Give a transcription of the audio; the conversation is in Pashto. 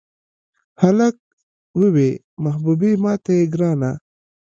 هلک ووې محبوبې ماته یې ګرانه.